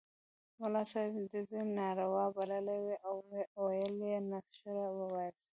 ملا صاحب ډزې ناروا بللې وې او ویل یې نشره ووایاست.